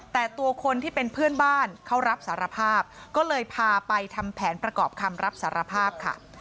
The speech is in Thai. แต่ตัวคนที่เป็นเพื่อนบ้านเขารับสารภาพก็เลยพาไปทำแผนประกอบคำรับสารภาพค่ะ